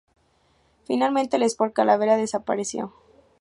Finalmente el Sport Calavera desapareció.